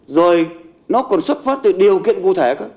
rồi nó còn xuất phát từ điều kiện vô thể